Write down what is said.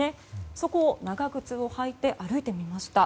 そこを長靴を履いて歩いてみました。